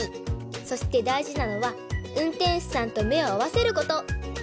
そしてだいじなのはうんてんしゅさんとめをあわせること！